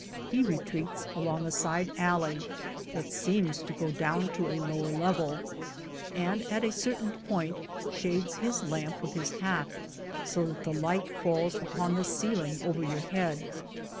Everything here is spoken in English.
He retreats along a side alley that seems • to go down to a lower level, and at a certain point shades his lamp with his hat, so that the light falls upon the ceiling over your head.